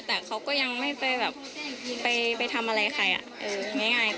แต่เขาก็ยังไม่ไปแบบไปทำอะไรใครง่าย